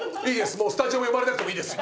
もうスタジオ呼ばれなくてもいいです。